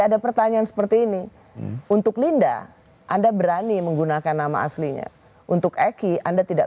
ada pertanyaan seperti ini untuk linda anda berani menggunakan nama aslinya untuk eki anda tidak